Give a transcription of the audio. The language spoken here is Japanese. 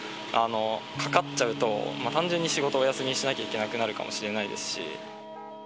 かかっちゃうと、単純に仕事をお休みしなきゃいけなくなるかもしれませんし。